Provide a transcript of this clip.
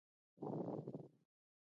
د بحث وړ مسایلو ټاکل مهم دي.